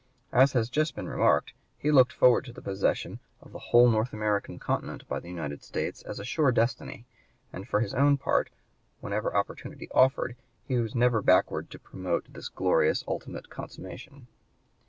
As has just been remarked, he looked forward to the possession of the whole North American continent by the United States as a sure destiny, and for his own part, whenever opportunity offered, he was never backward to promote this glorious ultimate consummation.